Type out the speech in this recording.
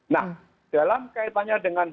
nah dalam kaitannya dengan